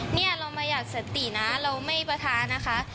เนี่ยเราประหยัดสตินะเราไม่ปะท้านะคะ